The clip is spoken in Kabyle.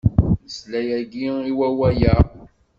Nesla yagi i wawal-a.